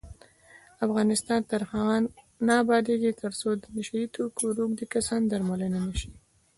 افغانستان تر هغو نه ابادیږي، ترڅو د نشه یي توکو روږدي کسان درملنه نشي.